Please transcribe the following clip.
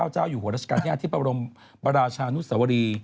เจ้าอยู่โหวราชการที่อาธิบรมปราชานุษย์วรี